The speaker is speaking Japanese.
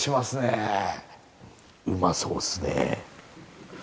うまそうですね。